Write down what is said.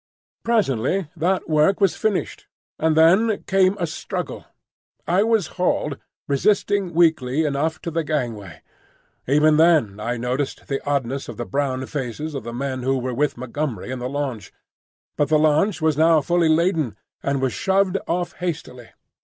Presently that work was finished, and then came a struggle. I was hauled, resisting weakly enough, to the gangway. Even then I noticed the oddness of the brown faces of the men who were with Montgomery in the launch; but the launch was now fully laden, and was shoved off hastily.